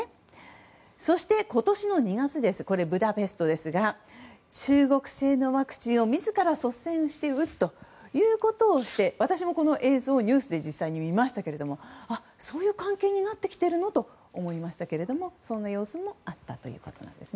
そして、今年の２月ブダペストですが中国製のワクチンを自ら率先して打つということをして私もこの映像をニュースで実際に見ましたけどそういう関係になってきてるの？と思いましたがそんな様子もあったということです。